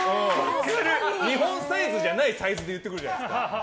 日本サイズじゃないサイズで言ってくるじゃないですか。